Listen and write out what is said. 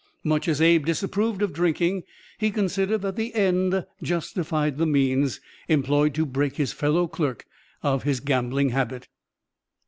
Much as Abe disapproved of drinking, he considered that "the end justified the means" employed to break his fellow clerk of the gambling habit.